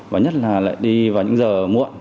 và nhất là đi vào những giờ muộn